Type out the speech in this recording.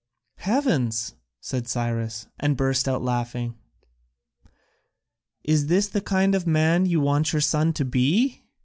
"Heavens!" said Cyrus, and burst out laughing, "is this the kind of man you want your son to be!"